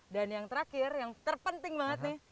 dan yang terakhir yang terpenting banget nih